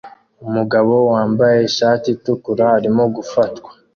Umugabo wambaye ishati itukura arimo gufatwa